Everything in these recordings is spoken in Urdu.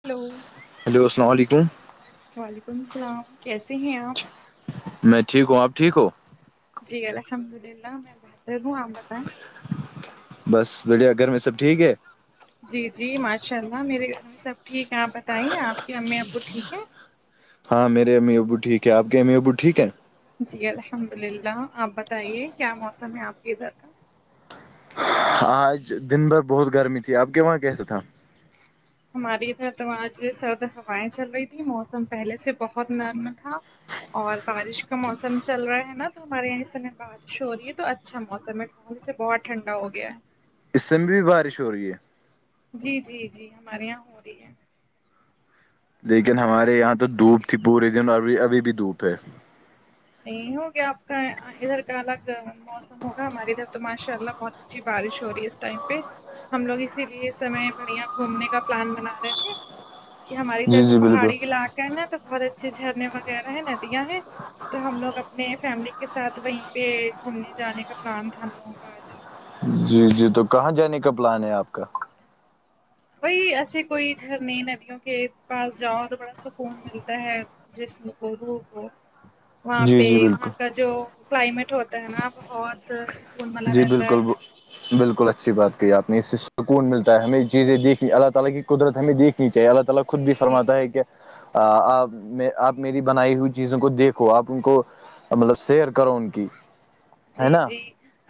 ہیلو ہیلو السلام علیکم وعلیکم السلام کیسے ہیں آپ میں ٹھیک ہوں آپ ٹھیک ہو جی الحمد للہ میں بہتر ہوں آپ بتاؤ بس بڑیا گھر میں سب ٹھیک ہے جی جی ماشاء اللہ میرے گھر میں سب ٹھیک ہے آپ بتائیے آپ کی امی ابو ٹھیک ہے ہاں میرے امی ابو ٹھیک ہے آپ کے امی ابو ٹھیک ہیں جی الحمد للہ آپ بتائیے کیا موسم ہے آپ کے ادھر کا آج دن بھر بہت گرمی تھی آپ کے وہاں کیسا تھا ہماری ادھر تو آج سرد ہوائیں چل رہی تھی موسم پہلے سے بہت نرم تھا اور بارش کا موسم چل رہا ہے نا تو ہمارے یہاں اس سمے بارش ہو رہی ہے تو اچھا موسم ہے سے بہت ٹھنڈا ہو گیا ہے اس سمے بھی بارش ہو رہی ہے جی جی جی ہمارے یہاں ہو رہی ہے لیکن ہمارے یہاں تو دھوپ تھی پورے دن ابھی ابھی بھی دھوپ ہے نہیں ہوگیا آپ کا ادھر کا الگ موسم ہوگا ہمارے ادھر تو ماشاء اللہ بہت اچھی بارش ہو رہی ہے اس ٹائم پہ ہم لوگ اسی لیے اس سمے بڑھیا گھومنے کا پلان بنا رہے تھے یہ ہماری جی طرح جی پہاڑی بالکل علاقے ہے نا تو بہت اچھے جھرنے وغیرہ ہیں ندیاں ہیں تو ہم لوگ اپنے فیملی کے ساتھ وہیں پہ گھومنے جانے کا پلان تھا ہم لوگوں کا آج جی جی تو کہاں جانے کا پلان ہے آپ کا وبی ایسے کوئی جھرنے ندیوں کے پاس جاؤ تو بڑا سکون ملتا ہے جسم کو روح کو وہاں جی پہ جی وہاں بالکل کا جو کلائمیٹ ہوتا ہے نا بہت سکون والا جی رہتا ہے بالکل بالکل اچھی بات کہی آپ نے اس سے سکون ملتا ہے ہمیں چیزیں دیکھنی اللہ تعالی کی قدرت ہمیں دیکھنی چاہیے اللہ اللہ خود بھی جی فرماتا ہے کیا آپ میں آپ میری بنائی ہوئی چیزوں کو دیکھو آپ ان کو مطلب سیر کرو ان کی جی ہے نا جی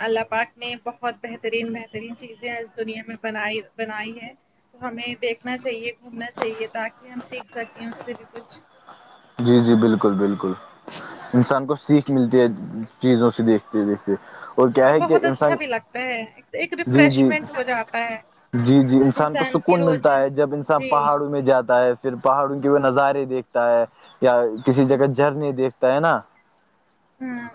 اللہ پاک نے بہت بہترین بہترین چیزیں اس دنیا میں بنائی بنائی ہے تو ہمیں دیکھنا چاہیے گھومنا چاہیے تاکہ ہم سیکھ سکیں اس سے بھی کچھ جی جی بالکل بالکل انسان کو سیکھ ملتی ہے چیزوں سے دیکھتے دیکھتے جی کیا اور ہے کہ بہت اچھا انسان بھی لگتا ہے ایک جی جی ریفریشمنٹ ہو جاتا ہے جی جی انسان کو کی سکون روز ملتا ہے جب انسان جی پہاڑوں میں جاتا ہے پھر پہاڑوں کے وہ نظارے دیکھتا ہے یا کسی جگہ جھرنے دیکھتا ہے نا ہوں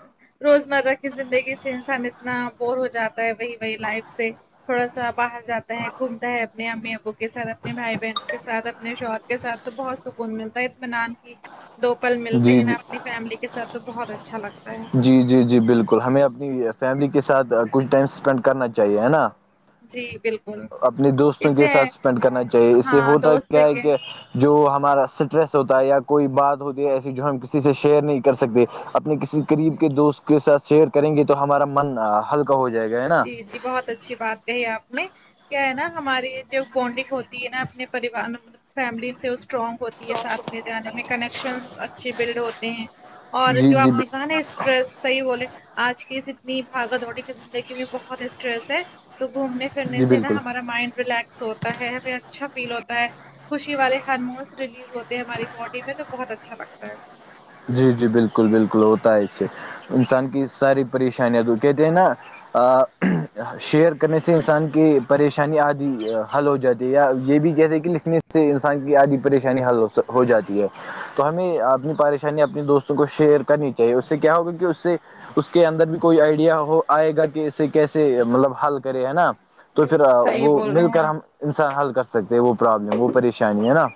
روزمرہ کی زندگی سے انسان اتنا بور ہو جات وہی وہی لائف سے تھوڑا سا باہر جاتا ہے گھومتا ہے اپنے امی ابو کے ساتھ اپنے بھائی بہنوں کے ساتھ اپنے شوہر کے ساتھ تو بہت سکون ملتا ہے اطمنان کی دو پل ملتے جی ہیں نا جی اپنی فیملی کے ساتھ تو بہت اچھا لگتا ہے جی جی جی بالکل ہمیں اپنی فیملی کے ساتھ کچھ ٹائم اسپینڈ کرنا چاہیے ہے نا جی بل اپنے دوستوں کے ساتھ اسپینڈ کرنا چاہیے اس سے ہاں ہوتا دوست کیا ہے کے کہ جو ہمارا اسٹریس ہوتا ہے یا کوئی بات ہوتی ہے ایسی جو ہم کسی سے شیئر نہیں کر سکتے اپنے کسی قریب کے دوست کے ساتھ شیر کریں گے تو ہمارا من ہلکا ہو جائے گا ہے نا جی جی بہت اچھی بات کہی آپ نے کیا ہے نا ہماری جو بڈنگ ہوتی ہے نا اپنے پریوار فیملی سے وہ اسٹرانگ ہو ساتھ لے جانے میں کنیکشنس اچھے بلڈ ہوتے ہیں اور جی جو جی آپ نے کہا نا اسٹریس صحیح بولے آج کی اتنی بھاگا دوڈی کی زندگی بہت اسٹریس ہے تو گھومنے پھرنے جی سے نا بالکل ہمارا مائنڈ ریلیکس ہو تا ہے ابھی اچھا فیل ہوتا ہے خوشی والے ہارمونس ریلیز ہوتے ہیں ہماری باڈی میں تو بہت اچھا لگتا ہے جی جی بالکل بالکل ہوتا ہے اس سے انسان کی ساری پریشانیاں تو کہتے ہیں نا شیئر کرنے سے انسان کی پریشانی آدھی حل ہو جاتی یا یہ بھی کہتے ہیں کہ لکھنے سے انسان کی آدھی پریشانی حل ہو جاتی ہے تو ہمیں اپنی پریشانی اپنے دوستوں کو شیئر کرنی چاہیے اس سے کیا ہوگا کہ اس سے اس کے اندر بھی کوئی آئیڈیا ہو آئے گا کہ اسے کیسے مطلب حل کرے ہے نا تو پھر صحیح وہ بول رہے مل ہیں کر آپ ہم انسان حل کر سکتے وہ پرابلم وہ پریشانی ہے نا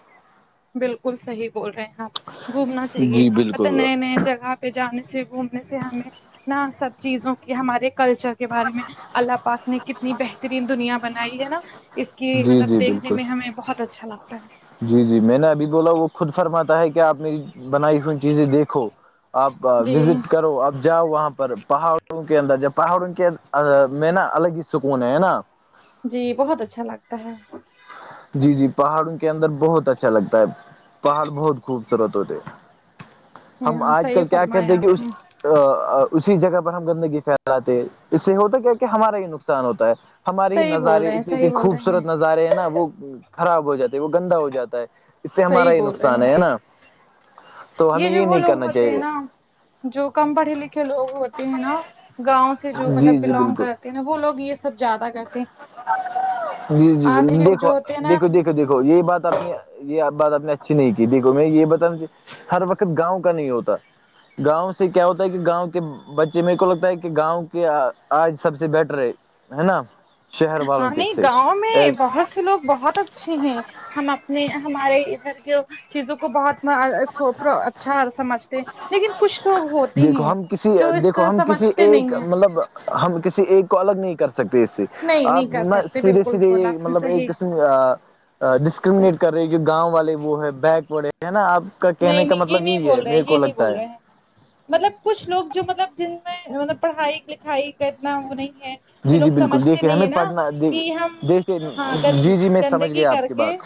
بالکل صحیح بول رہے ہیں آپ گھومنا چاہیے جی پتہ بالکل نئے نئے جگہ پہ جانے سے گھومنے سے ہمیں نہ سب چیزوں کی ہمارے کلچر کے بارے میں اللہ پاک نے کتنی بہترین دنیا بنائی ہے نا اس کی جی مطلب جی دیکھنے بالکل میں ہمیں بہت اچھا لگتا ہے جی جی میں نے ابھی بولا وہ خود فرماتا ہے کہ آپ میری بنائی ہوئی چیزیں دیکھو آپ جی وزٹ کرو آپ جاؤ وہاں پر پہاڑوں کے اندر جا پہاڑوں کے میں نا الگ ہی سکون ہے نا جی بہت اچھا لگتا ہے جی جی پہاڑوں کے اندر بہت اچھا لگتا ہے پہاڑ بہت خوبصورت ہوتے ہم ہاں آج صحیح کل کیا فرمایا کہتے کہ آپ اس نے اسی جگہ پر ہم گندگی پھیلاتے اس سے ہوتا ہے کیا کہ ہمارا یہ نقصان ہوتا ہے ہمارے ہی صحیح بول نظارے رہے ہیں اتنی صحیح اتنی بول رہے خوبصورت نظارے ہیں نا وہ خراب ہو جاتی ہے وہ گندا ہو جاتا ہے اس سے ہمارا صحیح ہی بول رہے نقصان ہیں ہے ہے نا تو ہمیں جو یہ وہ نہیں لوگ کرنا ہوتے ہیں چاہیے نا جو کم پڑھے لکھے لوگ ہوتے ہیں نا گاؤں سے جو مطلب جی جی بلونگ بالکل کر تے ہے نہ وہ لوگ یہ سب زیادہ کرتے ہیں جی جی آج لوگ جو دیکھو ہوتے ہیں نا دیکھو دیکھو دیکھو یہ بات آپ نے یہ بات آپ نے اچھی نہیں کی دیکھو میں یہ بتانا ہر وقت گاؤں کا نہیں ہوتا گاؤں سے کیا ہوتا ہے کہ گاؤں کے بچے میرے کو لگتا ہے کہ گاؤں کے آج سب سے بیٹر ہے ہے نا شہر ہاں والوں کے نہیں گاؤں سے میں بہت سے لوگ بہت اچھے ہیں ہم اپنے ہمارے ادھر کی چیزوں کو بہت سوپرو اچھا سمجھتے لیکن کچھ لوگ ہوتے دیکھو ہیں ہم کسی جو اس دیکھو کا ہم کسی سمجھتے ایک نہیں ہیں مطلب ہم کسی ایک کو الگ نہیں کر سکتے اس سے نہیں آپ نہیں کر نہ سکتے سیدھے بالکل سیدھے بولا یہ آپ نے مطلب ایک صحیح قسم ڈسکرمنیٹ کر رہی جو گاؤں والے وہ ہے بیکورڈ ہے نا آپ کا نہیں کہنے کا نہیں یہ مطلب نہیں یہی ہے بول رہے میرے کو یہ نہیں لگتا بول ہے رہے ہیں مطلب کچھ لوگ جو مطلب جن میں مطلب پڑھائی لکھائی کا اتنا وہ نہیں ہے تو جی لوگ جی بالکل سمجھتے دیکھیے نہیں ہمیں ہے نا پڑھنا دیکھ کی ہم دیکھیے ہاں گند جی جی میں سمجھ گندگی گیا کر آپ کی بات کے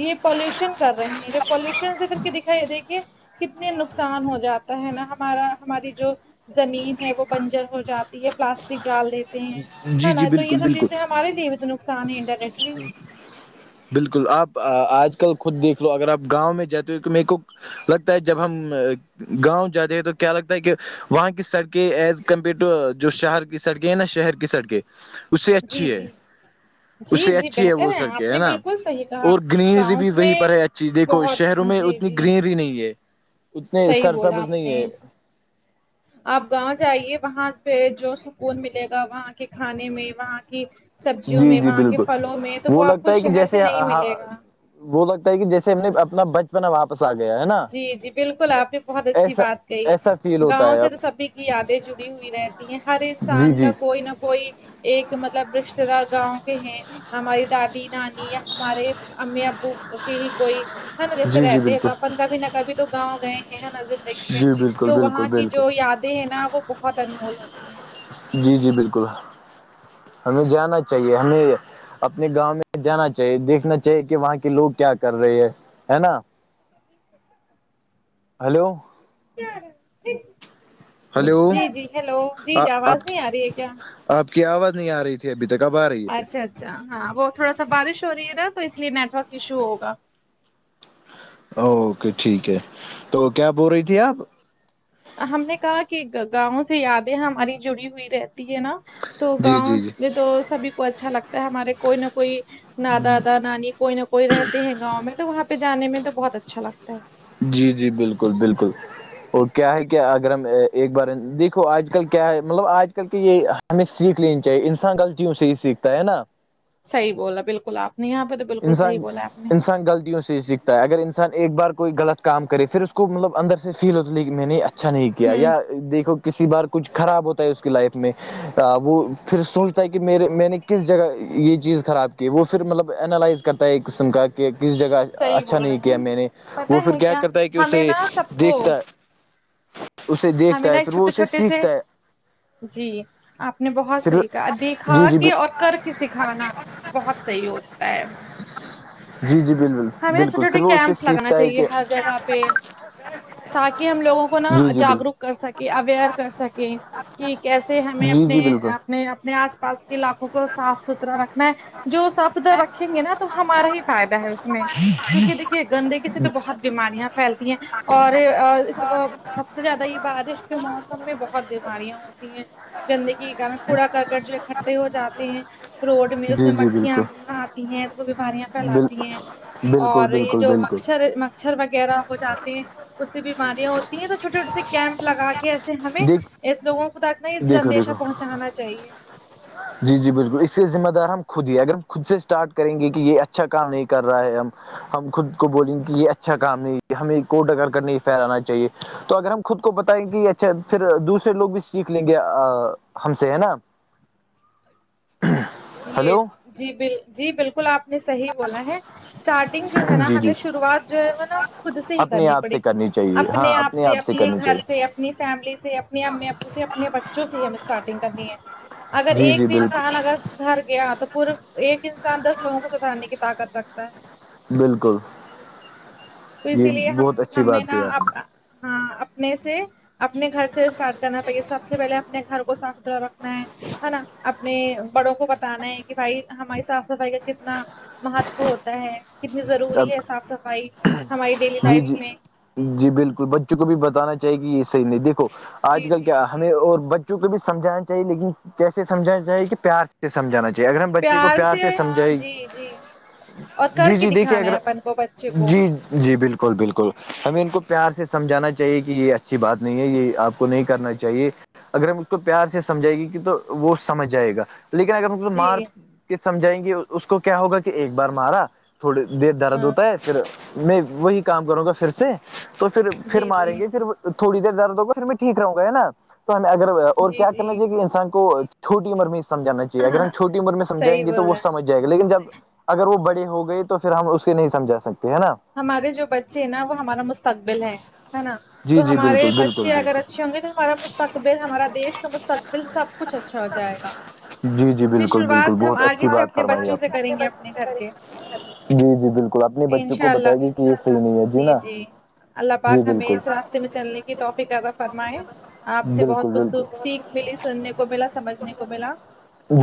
یہ پولوشن کر رہے ہیں جو پولوشن سے پھر دکھائی دیکھیے کتنے نقصان ہو جاتا ہے نا ہمارا ہماری جو زمین ہے وہ بنجر ہو جاتی ہے پلاسٹک ڈال دی جی جی نا تو یہ بالکل سب پھر بالکل سے ہمارے لیے بھی تو نقصان ہے انڈائرکٹلی بالکل آپ آج کل خود دیکھ لو اگر آپ گاؤں میں جاتے ہو تو میرے کو لگتا ہے جب ہم گاؤں جاتے ہیں تو کیا لگتا ہے کہ وہاں کی سڑکیں ایز کمپیئر ٹو جو شہر کی سڑکیں ہیں نا شہر کی سڑکیں اس سے جی اچھی ہے جی اس جی سے جی اچھی ہے وہ بہتر سڑکیں آپ ہے نے نا بالکل صحیح کہا اور گرینری گاؤں بھی وہیں میں پر ہے جی دیکھو بہت شہروں میں جی اتنی جی گرینری نہیں ہے اتنے صحیح بولا سرسبز آپ نہیں نے ہے آپ گاؤں جائیے وہاں پے جو سکون ملے گا وہاں کے کھانے میں وہاں کی سبزیوں جی میں جی وہاں کے بالکل پھلوں میں تو وہ آپ لگتا کو ہے کہ شہر میں جیسے نہیں ملے گا وہ لگتا ہے کی جیسے ہم نے اپنا بچپنا واپس پس آ گیا ہے نا جی جی بالکل آپ نے بہت اچھی ایسا بات کہی ایسا فیل ہوتا گاؤں ہے سے تو سبھی کی یادیں جڑی ہوئی رہتی ہیں ہر اب جی انسان کا جی کوئی نہ کوئی ایک مطلب رشتے دار گاؤں کے ہیں ہماری دادی نانی ہمارے امی ابو کی ہی کوئی ہے نا جیسے جی جی رہتے ہیں بالکل تو اپن کبھی نہ کبھی تو گاؤں گئے ہے نا زندگی میں جی بالکل تو بالکل وہاں کی بالکل جو یادیں ہیں نا وہ بہت انمول ہوتی ہیں جی جی بالکل ہمیں جانا چاہیے ہمیں اپنے گاؤں میں جانا چاہیے دیکھنا چاہیے کہ وہاں کے لوگ کیا کر رہے ہے ہے نا ہیلو ہلو جی جی ہیلو جی جی آواز آپ نہیں آ رہی ہے کیا آپ کی آواز نہیں آ رہی تھی ابھی تک اب آ رہی ہے اچھا اچھا ہاں وہ تھوڑا سا بارش ہو رہی ہےا تو اس لیے نیٹ ورک ایشو ہوگا اوکے ٹھیک ہے تو کیا بول رہی تھی آپ ہم نے کہا کی گاؤں سے یادیں ہماری جڑی ہوئی رہتی ہے نا تو جی گاؤں جی جی میں تو سبھی کو اچھا لگتا ہے ہمارے کوئی نہ کوئی نا دادا نانی کوئی نہ کوئی رہتی ہے گاؤں میں تو وہاں پے جانے میں تو بہت اچھا لگتا ہے جی جی بالکل بالکل اور کیا ہے کیا اگر ہم ایک بار دیکھو آج کل کیا ہے مطلب آج کل کی یے ہمیں سیکھ لینی چاہیے انسان غلطیوں سے ہی سیکھتا ہے نا صحیح بولا بالکل آپ نے یہاں پے تو بالکل صحیح انسان بولا آپ نے انسان غلط طیوں سے سیکھتا ہے اگر انسان ایک بار کوئی غلط کام کرے پھر اس کو مطلب اندر سے فیل ہوتا ہے کی میں نے اچھا نہیں کیا ہوں یا دیکھو کسی بار کچھ خراب ہوتا ہے اس کی لائف میں آ وہ پھر سوچتا ہے کی میرے میں نے کس جگہ یے چیز خراب کی وہ پھر مطلب اینالائز کرتا ہے ایک قسم کا کہ کس جگہ صحیح اچھا بول نہیں رہے کیا ہیں میں نے پت وہ پھر ہے کیا کرتا ہے کی ہمیں اسے نا سب کو دیکھتا ہے اسے ہمیں دیکھتا نا ہے ایک پھر وہ چھوٹے اسے چھوٹے سے سیکھتا ہے جی آپ نے بہت پھر صحیح کہا دیکھا جی جی کہ اور کر کے سکھانا بہت صحیح ہوتا ہے جی جی بالکل ہمیں نا چھوٹے بالکل پھر چھوٹے وہ اس سے کیمپس لگانا سیکھتا ہے چاہیے کہ تاکی ہم لوگوں کو نا جی جی جاگروک کر سکیں اویئرنس کر بالکل سکیں کی کیسے ہمیں جی اپنے جی بالکل اپنے اپنے آس پاس علاقوں کو صاف ستھرا رکھنا ہے جو صاف ستھرا رکھیں گے نا تو ہمارا ہی فائدہ ہے اس میں کیونکہ دیکھیے گندگی سے تو بہت بیماریاں پھیلتی ہیں اور آ یے سب سے زیادہ یے بارش کے موسم میں بہت بیماریاں ہوتی ہیں گندگی کے کوڑا کاکر جو اکٹھے ہو جاتے ہیں روڈ میں اس جی میں جی مکھیاں بالکل آتی ہیں وہ بیماریاں بال پھیلاتی ہیں بالکل اور یہ بالکل جو بالکل مچھر ہے مچ مچھر وغیرہ ہو جاتے ہیں اسی بیماریاں ہوتی ہیں تو چھوٹے اوٹے سے کیمپ لگا کے اس سے ہمیں دیک اس لوگوں کو تک نے یہ دیکھو دیکھو سندیشہ پہنچانا چاہیے جی جی بالکل اس کے ذمہ دار ہم خود ہی اگر ہم خود سے اسٹارٹ کریں گے کہ یہ اچھا کام نہیں کر رہا ہے ہم ہم خود کو بولیں گے کہ یہ اچھا کام نہیں ہے ہمیں کوٹ ادھر کر نہیں پھیلانا چاہے تو اگر ہم خود کو بتائیں گے کہ اچھا پھر دوسرے لوگ بھی سیکھ لیں گے آ ہم سے ہے نا یہ ہلو جی بل جی بالکل آپ نے صحیح بولا ہے اسٹارٹنگ جو ہے نا جی جی ہمیں شروعات جو ہے وہ نا خود سے ہی اپنے کرنی آپ پڑے سے گی کرنی چاہیے ہاں اپنے آپ سے اپنے کرنی گھر سے چاہیے اپنی فیملی سے اپنے امی ابو سے اپنے بچوں سے ہی ہمیں اسٹارٹنگ کرنی ہے اگر جی ایک جی بھی بالکل انسان اگر سدھر گیا تو پورا ایک انسان دس لوگوں کو سدھارنے کی طاقت رکھتا ہے بالکل تو اسی یہ لیے ہم بہت اچھی ہمیں بات نا کہی آپ اب نے ہاں اپنے سے اپنے گھر سے اسٹارٹ کرنا پڑے سب سے پہلے اپنے گھر کو صاف ستھرا رکھنا ہے ہے نا اپنے بڑوں کو بتانا ہے کہ بھائی ہماری صاف صفائی کا کتنا مہتو ہوتا ہے کتنی ضروری اب ہے صاف صفائی ہماری ڈیلی جی لائف جی میں جی بالکل بچوں کو بھی بتانا چاہے کہ یہ صحیح نہیں دیکھو جی آج کل جی کیا ہمیں اور بچوں کو بھی سمجھانا چاہیے لیکن کیسے سمجانا چاہیے کہ پیار سے سے سمجھانا چاہیے اگر ہم بچے کو پیار سے سمجھایں جی جی اور کر جی کے جی دیکھیے دکھانا اگر ہے اپن کو بچے کو جی جی بالکل بالکل ہمیں ان کو پیار سے سمجھانا چاہیے کہ یہ اچھی بات نہیں ہے یہ آپ نہیں کرنا چاہیے اگر ہم اس کو پیار سے سمجھائے گی کہ تو وہ سمجھ جائے گا لیکن اگر ہم کو جی مار کے سمجھائیں گے اس کو کیا ہوگا کہ ایک بار مارا تھوڑی دیر درد ہاں ہوتا ہے پھر میں وہی کام کروں گا پھر سے تو پھر پھر جی جی ماریں گے پھر تھوڑی دیر درد ہوگا پھر میں ٹھیک رہوں گا ہے نا تو ہمیں اگر اور جی کیا جی کرنا چاہیے کہ انسان کو چھوٹی عمر میں سمجھانا چاہیے ہاں اگر ہاں ہم ہاں، چھوٹی عمر میں صحیح سمجھائیںے تو بول وہ رہے ہیں سمجھ جائے گا لیکن جب اگر وہ بڑی ہو گئی تو پھر ہم اس کو نہیں سمجھا سکتے ہیں نا ہمارے جو بچے ہیں نا وہ ہمارا مست تقبل ہے نا جی تو جی ہمارے بالکل بالکل بچے اگر بالکل اچھے ہوں گے تو ہمارا مستق تقبل ہمارا دیش کا مستقبل سب کچھ اچھا ہو جائے گا جی جی اس لیے بالکل بالکل شروعات ہم بہت آج ہی اچھی سے بات اپنے فرمائی بچوں آپ سے نے کریں گے اپنے گھر کے جی جی بالکل اپنے بچوں کو انشاء بتائے اللہ گی کہ یہ صحیح نہیں ہے جی نا جی اللہ جی پاک ہمیں بالکل اس راستے میں چلنے کی توفیق عطا فرمائے آپ سے بالکل بہت کچھ بالکل سیکھ سیکھ ملی سننے کو بلا سمجھنے کو ملا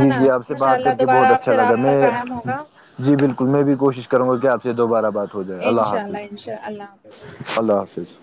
ہے نا جی آپ سے انشاء بات کر اللہ کے بہت دوبارہ آپ اچھا سے لگا رابطہ میں قائم ہوگا جی بالکل میں بھی کوشش کروں گا کہ آپ سے دوبارہ بات ہو جائے اللہ انشاء حافظ انشاء اللہ اللہ حافظ اللہ حافظ